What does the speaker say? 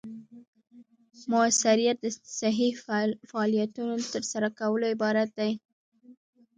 مؤثریت د صحیح فعالیتونو له ترسره کولو عبارت دی.